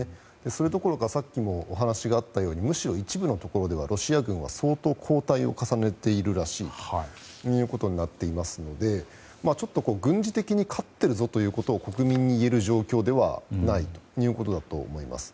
それどころか、さっきお話があったとおり一部のところではロシア軍は相当後退を重ねているらしいのでちょっと軍事的に勝っているぞということを国民に言える状況ではないということだと思います。